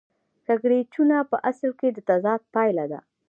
کړکېچونه په اصل کې د تضاد پایله ده